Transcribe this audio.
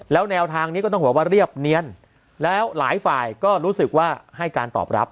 แล้วแนวทางนี้ก็ต้องบอกว่าเรียบเนียนแล้วหลายฝ่ายก็รู้สึกว่าให้การตอบรับ